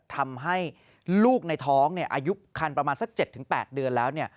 ทำให้ลูกในท้องอายุคันประมาณสัก๗๘เดือนแล้ว